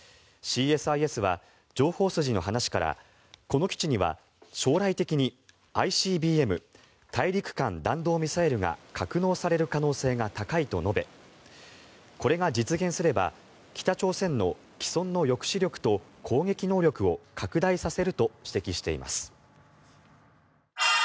ＣＳＩＳは情報筋の話からこの基地には将来的にＩＣＢＭ・大陸間弾道ミサイルが格納される可能性が高いと述べこれが実現すれば北朝鮮の既存の抑止力と攻撃能力を拡大させると指摘しています。